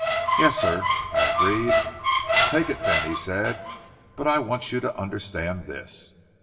'Yes, sir,' I agreed. 'Take it, then,' he said, 'but I want you to understand this.